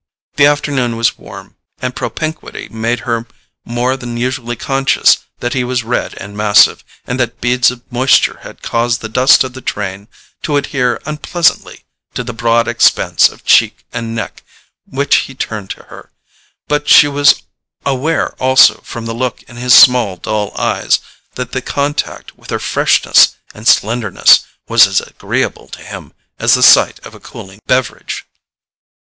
The afternoon was warm, and propinquity made her more than usually conscious that he was red and massive, and that beads of moisture had caused the dust of the train to adhere unpleasantly to the broad expanse of cheek and neck which he turned to her; but she was aware also, from the look in his small dull eyes, that the contact with her freshness and slenderness was as agreeable to him as the sight of a cooling beverage.